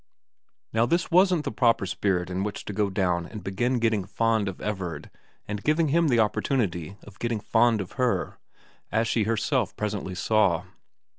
Now this wasn't the proper spirit in which to go down and begin getting fond of Everard and giving him the opportunity of getting fond of her, as she herself presently saw.